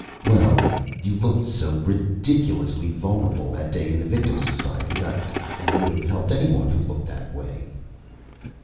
"Well, you looked so ridiculously vulnerable that day in the Victim's Society. I would have helped anyone who looked that way."